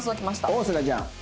おっすがちゃん。